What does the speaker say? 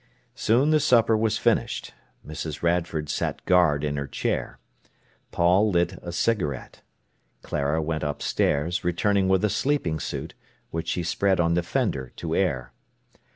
Soon the supper was finished. Mrs. Radford sat guard in her chair. Paul lit a cigarette. Clara went upstairs, returning with a sleeping suit, which she spread on the fender to air.